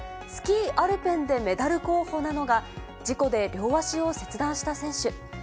スキーアルペンでメダル候補なのが、事故で両足を切断した選手。